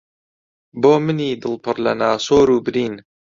بۆ منی دڵ پڕ لە ناسۆر و برین